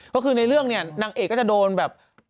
ก็คือในเรื่องเนี่ยนางเอกก็จะโดนแบบ